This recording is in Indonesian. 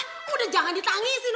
lah udah jangan ditangisin